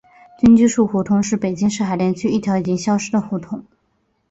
军机处胡同是北京市海淀区一条已经消失了的胡同。